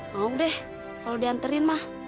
mau deh kalo dianterin mah